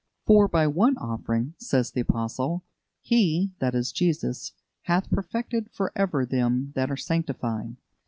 "For by one offering," says the Apostle, "He" (that is, Jesus) "hath perfected for ever them that are sanctified.